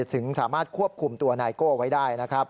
ถึงสามารถควบคุมตัวนายโก้ไว้ได้นะครับ